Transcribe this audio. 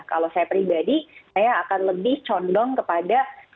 kalau saya pribadi saya akan lebih condong kepada